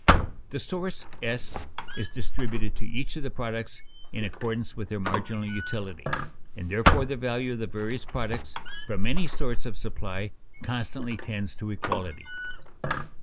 The source (S) is distributed to each of the products in accordance with their marginal utility, and therefore the value of the various products from any source of supply constantly tends to equality.